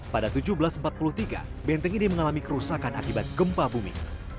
pada seribu tujuh ratus empat puluh tiga benteng ini mengalami kerusakan akibat gempa bumi